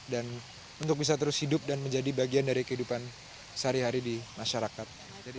dan untuk bisa terus hidup dan menjadi bagian dari kehidupan sehari hari di masyarakat